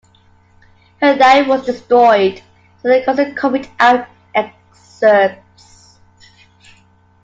Her diary was destroyed, though a cousin copied out excerpts.